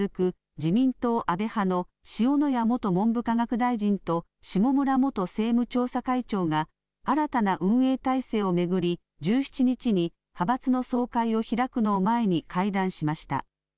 自民党安倍派の塩谷元文部科学大臣と下村元政務調査会長が新たな運営体制を巡り、１７日に派閥の総会を開くのを前に会談しました。